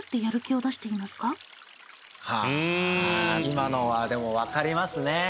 今のはでもわかりますね。